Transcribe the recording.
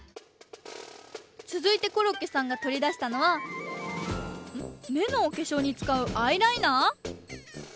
続いてコロッケさんがとりだしたのは目のおけしょうに使うアイライナー！？